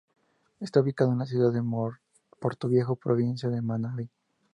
Está ubicado en la ciudad de Portoviejo, provincia de Manabí.